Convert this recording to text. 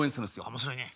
面白いね。